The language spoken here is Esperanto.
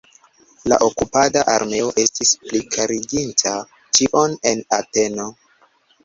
La okupada armeo estis plikariginta ĉion en Ateno.